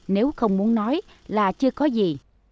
nếu không muốn nói là chưa có gì